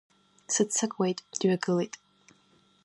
Сыццакуеит, дҩагылеит.